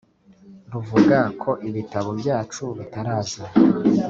ruvuga ko ibitabo byacu bitaraza